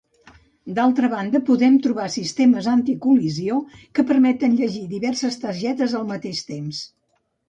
D'altra banda podem trobar sistemes anticol·lisió que permeten llegir diverses targetes al mateix temps.